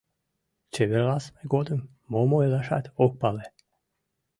Чеверласыме годым, мом ойлашат ок пале.